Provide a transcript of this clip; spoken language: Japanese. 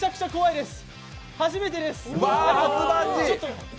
初めてです。